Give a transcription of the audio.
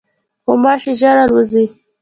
غوماشې ژر الوزي.